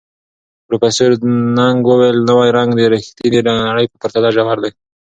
پروفیسر نګ وویل، نوی رنګ د ریښتیني نړۍ په پرتله ژور دی.